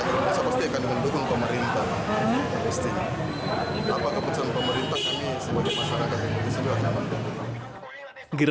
kami sebagai masyarakat yang bisa dianggap